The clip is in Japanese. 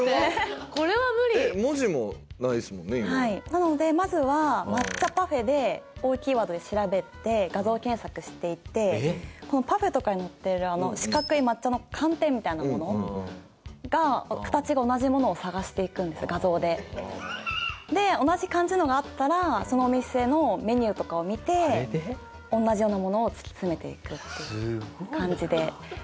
なのでまずは「抹茶パフェ」で大きいワードで調べて画像検索していってこのパフェとかにのっているあの四角い抹茶の寒天みたいなものが形が同じものを探していくんです画像で。で同じ感じのがあったらそのお店のメニューとかを見て同じようなものを突き詰めていくっていう感じで特定していました。